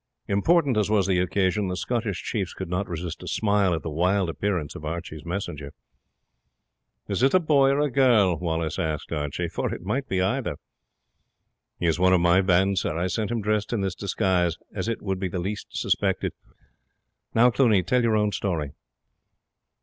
Important as was the occasion, the Scottish chiefs could not resist a smile at the wild appearance of Archie's messenger. "Is it a boy or a girl?" Wallace asked Archie, "for it might be either." "He is one of my band, sir. I sent him dressed in this disguise as it would be the least suspected. Now, Cluny, tell your own story."